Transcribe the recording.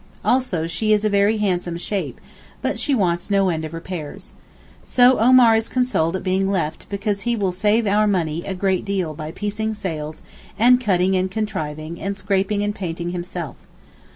Also she is a very handsome shape—but she wants no end of repairs. So Omar is consoled at being left because he will 'save our money' a great deal by piecing sails, and cutting and contriving, and scraping and painting himself.